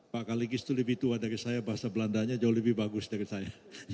pak kaligis itu lebih tua dari saya bahasa belandanya jauh lebih bagus dari saya